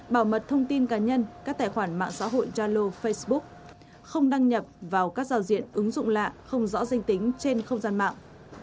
bảo mật thông tin cá nhân các tài khoản mạng xã hội jalo facebook không đăng nhập vào các giao diện ứng dụng lạ không rõ danh tính trên không gian mạng